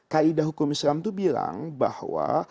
kaidah hukum islam itu bilang bahwa